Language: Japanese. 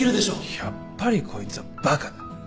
やっぱりこいつはバカだ。